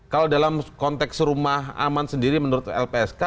kalau dalam konteks rumah aman sendiri menurut lpsk